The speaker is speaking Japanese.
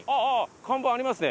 看板ありますね。